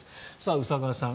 宇佐川さん。